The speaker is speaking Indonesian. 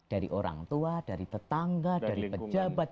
dari orang tua dari petangga dari lingkungan